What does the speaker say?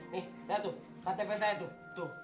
liat tuh katepe saya tuh